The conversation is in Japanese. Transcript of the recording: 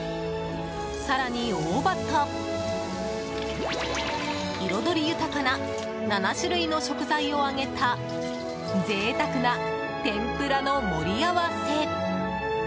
更に、大葉と彩り豊かな７種類の食材を揚げた贅沢な天ぷらの盛り合わせ。